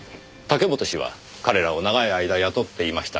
武本氏は彼らを長い間雇っていました。